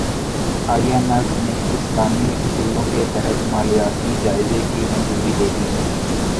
ائی M F نے اسلامی اصولوں کے تحت مالیاتی جائزے کی منظوری دے دی